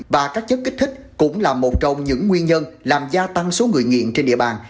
và các chất kích thích cũng là một trong những nguyên nhân làm gia tăng số người nghiện trên địa bàn